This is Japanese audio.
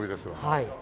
はい。